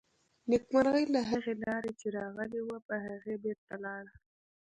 نېکمرغي له هغې لارې چې راغلې وه، په هغې بېرته لاړه.